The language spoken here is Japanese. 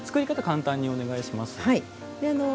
簡単にお願いします。